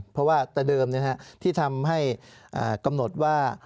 เพราะว่าแต่เดิมที่ทำให้กำหนดว่า